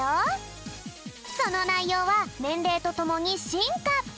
そのないようはねんれいとともにしんか！